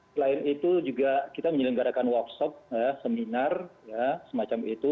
selain itu juga kita menyelenggarakan workshop seminar semacam itu